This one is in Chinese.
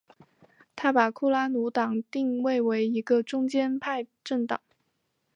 他把库拉努党定位为一个中间派政党。